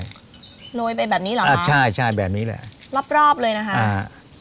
โรยไปแบบนี้เหรอคะอ่าใช่ใช่แบบนี้แหละรอบรอบเลยนะคะอ่า